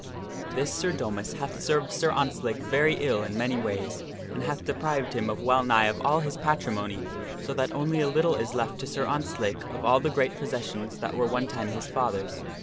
This Sir Domas hath served Sir Ontzlake very ill in many ways, and hath deprived him of well nigh all of his patrimony, so that only a little is left to Sir Ontzlake of all the great possessions that were one time his father's.